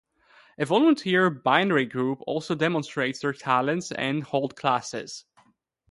A volunteer bindery group also demonstrate their talents and hold classes.